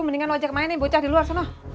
mendingan lu ajak mainin bocah di luar sana